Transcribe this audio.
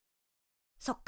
そっか。